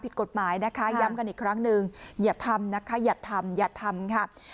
ผิดกฎหมายนะคะย้ำกันอีกครั้งหนึ่งอย่าทำนะคะอย่าทำอย่าทำค่ะ